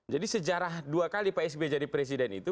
jadi sejarah dua kali pak sbe jadi presiden itu